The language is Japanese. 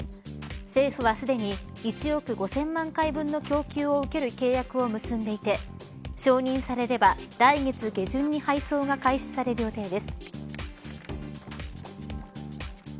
政府はすでに１億５０００万回分の供給を受ける契約を結んでいて承認されれば、来月下旬に配送が開始される予定です。